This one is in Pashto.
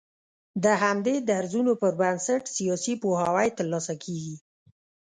د همدې درځونو پر بنسټ سياسي پوهاوی تر لاسه کېږي